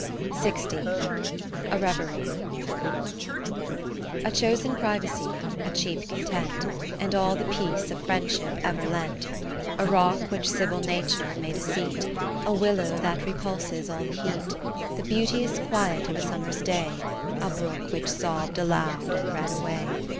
So A Reverie ^ A CHOSEN privacy, a cheap content. And all the peace a friendship ever lent, A rock which civil Nature made a seat, A willow that repulses all the heat. The beauteous quiet of a summer's day, A brook which sobb'd aloud and ran away.